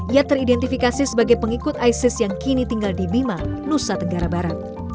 ia teridentifikasi sebagai pengikut isis yang kini tinggal di bima nusa tenggara barat